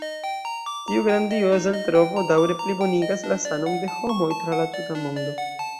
Tiu grandioza eltrovo daŭre plibonigas la sanon de homoj tra la tuta mondo.